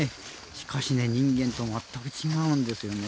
しかし人間とまったく違うんですよね。